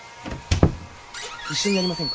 一緒にやりませんか？